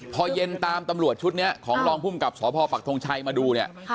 พอเย็นตามตำรวจชุดนี้ของรองภูมิกับสพปักทงชัยมาดูเนี่ย